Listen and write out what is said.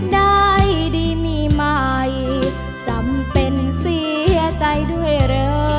ได้ดีมีใหม่จำเป็นเสียใจด้วยเหรอ